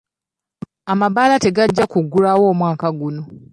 "Amabaala tegajja kuggulawo omwaka guno.